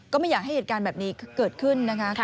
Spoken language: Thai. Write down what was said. ไม่อยากให้เหตุการณ์แบบนี้เกิดขึ้นนะคะ